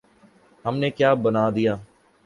ہم نے کیا بنا دیا؟